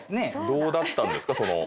どうだったんですか？